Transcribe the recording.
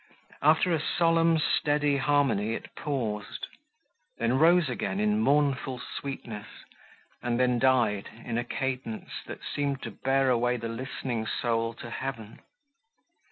After a solemn steady harmony, it paused; then rose again, in mournful sweetness, and then died, in a cadence, that seemed to bear away the listening soul to heaven.